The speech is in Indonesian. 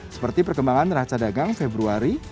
seperti perkembangan raca dagang februari